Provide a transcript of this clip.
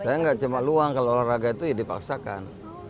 saya nggak cuma luang kalau olahraga itu ya dipaksakan